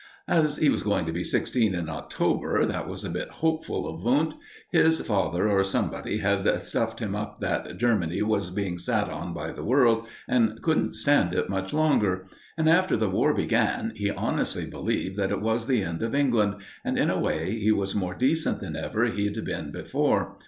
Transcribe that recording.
As he was going to be sixteen in October, that was a bit hopeful of Wundt. His father or somebody had stuffed him up that Germany was being sat on by the world, and couldn't stand it much longer; and after the war began, he honestly believed that it was the end of England, and, in a way, he was more decent than ever he'd been before.